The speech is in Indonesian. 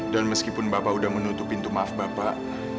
dan meskipun bapak udah menutup pintu maaf bapak